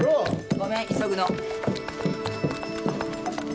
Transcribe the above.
ごめん急ぐの。